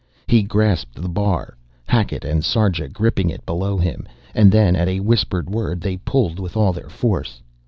He grasped the bar, Hackett and Sarja gripping it below him, and then at a whispered word they pulled with all their force.